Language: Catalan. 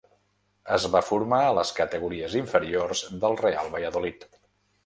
Es va formar a les categories inferiors del Real Valladolid.